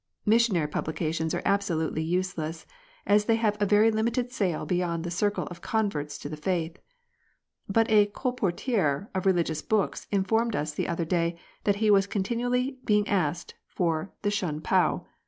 Missionary publications are absolutely useless, as they have a very limited sale beyond the circle of converts to the faith ; but a colporteur of religious books informed us the other day that he was continually being asked for the Shun pao.